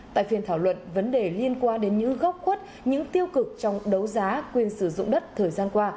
tại phiên thảo luận vấn đề liên quan đến những góc khuất những tiêu cực trong đấu giá quyền sử dụng đất thời gian qua